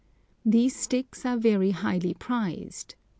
These sticks are very highly prized.